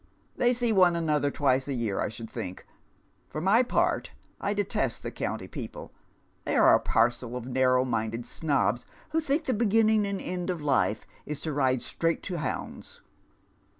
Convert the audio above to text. "They see one another twice a year, I should think. For my part, I detest the county people. They're a parcel of narrow minded snobs, who tliink the beginning and end of life is to ride straight to hounds."